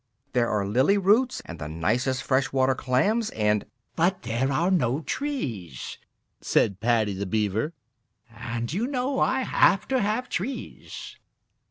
"There are lily roots and the nicest fresh water clams and " "But there are no trees," said Paddy the Beaver, "and you know I have to have trees."